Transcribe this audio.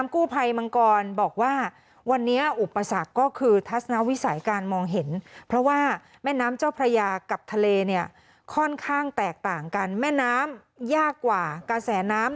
เขาเรียกว่าเราช่วยหารักฐาน